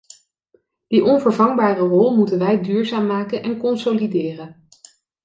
Die onvervangbare rol moeten wij duurzaam maken en consolideren.